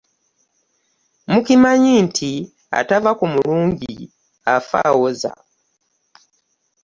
Mukimanyi nti atava ku mulungi afa awoza?